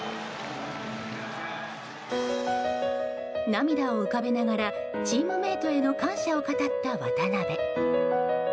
涙を浮かべながらチームメートへの感謝を語った渡邊。